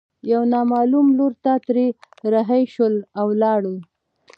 يوه نامعلوم لور ته ترې رهي شول او ولاړل.